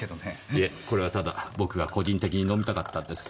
いえこれはただ僕が個人的に飲みたかったんです。